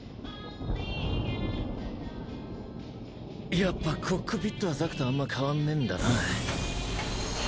やっぱコックピットはザクとあんま変わんねぇんだな。